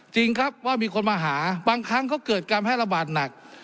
จริงครับว่ามีคนมาหาบางครั้งก็เกิดการแพร่ระบาดหนัก